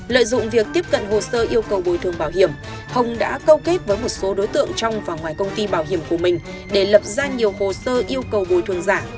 lợi dụng việc tiếp cận hồ sơ yêu cầu bồi thường bảo hiểm hồng đã câu kết với một số đối tượng trong và ngoài công ty bảo hiểm của mình để lập ra nhiều hồ sơ yêu cầu bồi thường giả